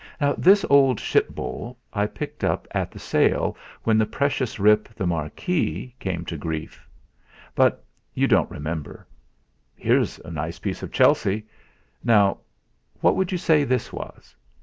This old '.hip bowl' I picked up at the sale when that precious rip, the Marquis, came to grief. But you don't remember. Here's a nice piece of Chelsea. Now, what would you say this was?"